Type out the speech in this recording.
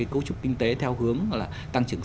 cấu trúc kinh tế theo hướng tăng trưởng